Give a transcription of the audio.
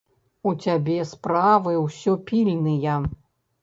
У цябе справы ўсё пільныя.